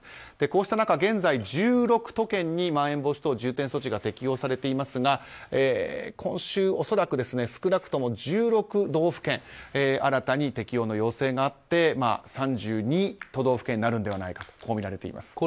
こうした中、現在、１６都県にまん延防止等重点措置が適用されていますが今週、恐らく少なくとも１６道府県に新たに適用の要請があって３２都道府県になるのではないかとみられています。